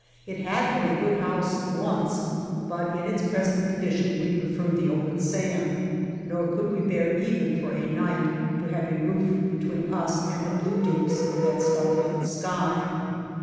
It had been a good house once, but in its present condition we preferred the open sand, nor could we bear even for a night to have a roof between us and the blue deeps of that star filled sky.